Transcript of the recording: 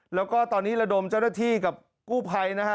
แล้วก็ตอนนี้ระดมเจ้าหน้าที่กับกู้ภัยนะฮะ